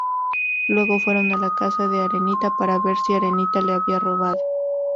Luego fueron a la Casa de Arenita para ver si Arenita la había robado.